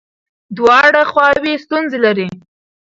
دواړه خواوې ستونزې لري.